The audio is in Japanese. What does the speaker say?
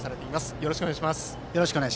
よろしくお願いします。